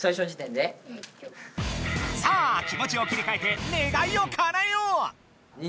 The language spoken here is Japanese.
さあ気もちを切りかえて願いをかなえよう！